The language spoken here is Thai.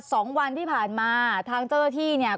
สองวันที่ผ่านมาทางเจ้าหน้าที่เนี่ย